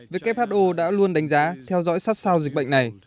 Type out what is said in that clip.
who đã luôn đánh giá theo dõi sát sao dịch bệnh này